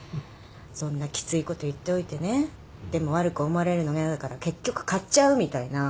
そんなきついこと言っておいてねでも悪く思われるのが嫌だから結局買っちゃうみたいな。